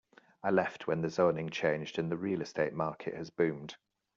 I left when the zoning changed and the real estate market has boomed.